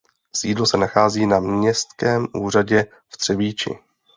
Sídlo se nachází na Městském úřadě v Třebíči.